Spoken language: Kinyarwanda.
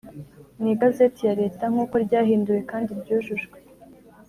Mu igazeti ya Leta nk’uko ryahinduwe kandi ryujujwe